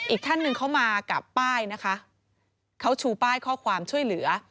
อีกท่านหนึ่งเขามากับป้ายนะคะเขาชูป้ายข้อความช่วยเหลือ